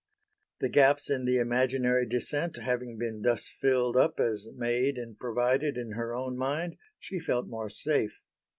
The gaps in the imaginary descent having been thus filled up as made and provided in her own mind, she felt more safe.